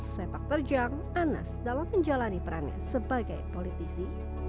sepak terjang anas dalam menjalani perannya sebagai politisi